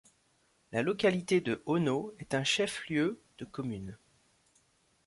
La localité de Ono est un chef-lieu de commune.